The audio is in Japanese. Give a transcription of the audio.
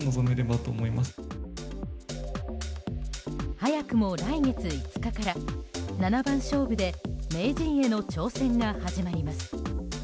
早くも来月５日から七番勝負で名人への挑戦が始まります。